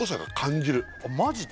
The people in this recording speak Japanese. マジで？